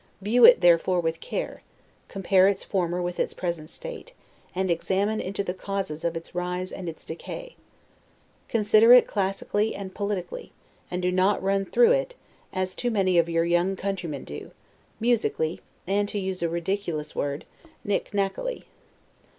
View it therefore with care, compare its former with its present state, and examine into the causes of its rise and its decay. Consider it classically and politically, and do not run through it, as too many of your young countrymen do, musically, and (to use a ridiculous word) KNICK KNACKICALLY.